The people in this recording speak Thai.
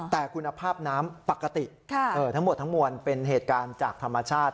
แต่คุณภาพน้ำปกติทั้งหมดทั้งมวลเป็นเหตุการณ์จากธรรมชาติ